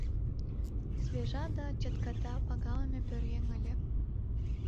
Свежа да чатката, пагалыме пӧръеҥ ыле.